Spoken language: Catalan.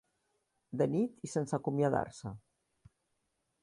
De nit i sense acomiadar-se.